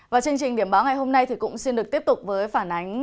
và chương trình điểm báo ngày hôm nay cũng xin được tiếp tục với phản ánh